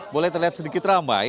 boleh terlihat sedikit ramai